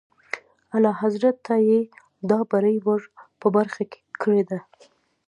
اعلیحضرت ته یې دا بری ور په برخه کړی دی.